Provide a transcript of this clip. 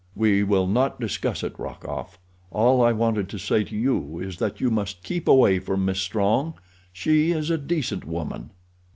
"We will not discuss it, Rokoff. All I wanted to say to you is that you must keep away from Miss Strong—she is a decent woman."